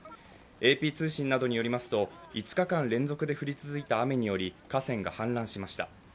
ＡＰ通信などによりますと５日間連続で降り続いた雨により河川が氾濫しました。